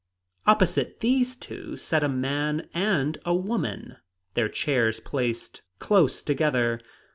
Opposite these two sat a man and a woman, their chairs placed close together.